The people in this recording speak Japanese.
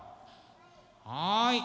はい。